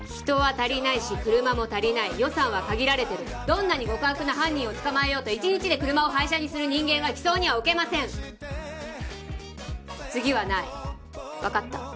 人は足りないし車も足りない予算は限られてるどんなに極悪な犯人を捕まえようと１日で車を廃車にする人間は機捜には置けません次はない分かった？